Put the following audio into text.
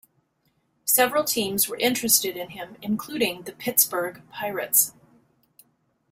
Several teams were interested in him, including the Pittsburgh Pirates.